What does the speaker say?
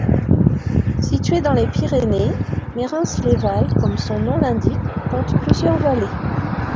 Située dans les Pyrénées, Mérens-les-Vals, comme son nom l'indique, compte plusieurs vallées.